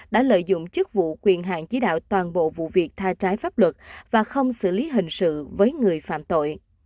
đã lợi dụng chức vụ quyền hạn chỉ đạo toàn bộ vụ việc tha trái pháp luật và không xử lý hình sự với người phạm tội